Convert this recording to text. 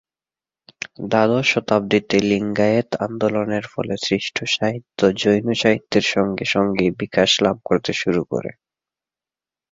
দ্বাদশ শতাব্দীতে লিঙ্গায়েত আন্দোলনের ফলে সৃষ্ট সাহিত্য জৈন সাহিত্যের সঙ্গে সঙ্গেই বিকাশ লাভ করতে শুরু করে।